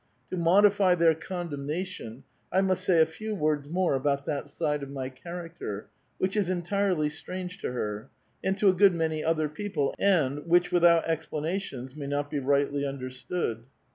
To mod if}' their condemnation, I must say a few words more about that side of my character, which is entirely strange to her, and to a good many other people, and, which without expla nations, may not be rightly understood.